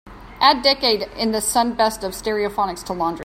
Add decade in the sun best of stereophonics to laundry.